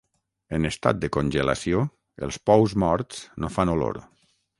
En estat de congelació, els pous morts no fan olor.